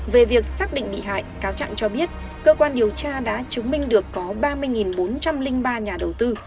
về việc xác định bị hại cáo trạng cho biết cơ quan điều tra đã chứng minh được có ba mươi bốn trăm linh ba nhà đầu tư